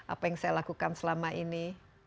apa yang saya lakukan selama ini